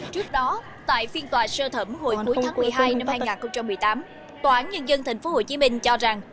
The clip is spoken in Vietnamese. trước đó tại phiên tòa sơ thẩm hồi cuối tháng một mươi hai năm hai nghìn một mươi tám tòa án nhân dân tp hcm cho rằng